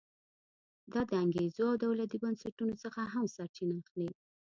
دا د انګېزو او دولتي بنسټونو څخه هم سرچینه اخلي.